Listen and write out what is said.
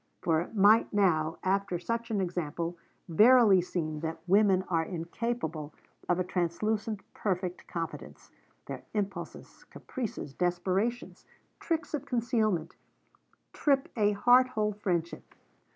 For it might now, after such an example, verily seem that women are incapable of a translucent perfect confidence: their impulses, caprices, desperations, tricks of concealment, trip a heart whole friendship.